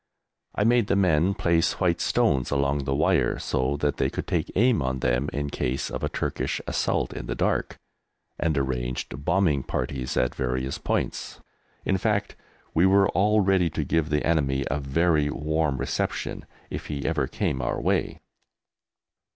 I made the men place white stones along the wire so that they could take aim on them in case of a Turkish assault in the dark, and arranged bombing parties at various points; in fact, we were all ready to give the enemy a very warm reception if he ever came our way.